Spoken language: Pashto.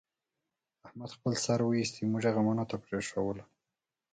احمد خپل سر وایست، موږ یې غمونو ته پرېښودلو.